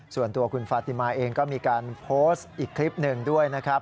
ส่วนตัวคุณฟาติมาเองก็มีการโพสต์อีกคลิปหนึ่งด้วยนะครับ